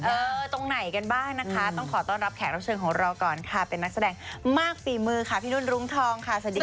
ตรงไหนกันบ้างนะคะต้องขอต้อนรับแขกรับเชิญของเราก่อนค่ะเป็นนักแสดงมากฝีมือค่ะพี่นุ่นรุ้งทองค่ะสวัสดีค่ะ